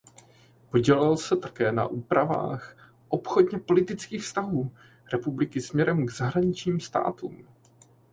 Podílel se také na úpravách obchodně politických vztahů republiky směrem k zahraničním státům.